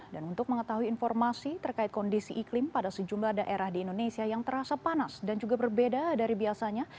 dan untuk mengetahui informasi terkait kondisi iklim pada sejumlah daerah di indonesia yang terasa panas dan juga berbeda dari biasanya